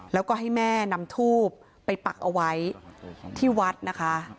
แล้วก็ให้แม่นำทูบไปปักเอาไว้ที่วัดนะคะ